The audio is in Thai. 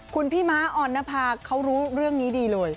คุณพี่ม้าออนนภาเขารู้เรื่องนี้ดีเลย